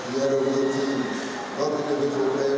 mereka adalah keluarga yang lebih baik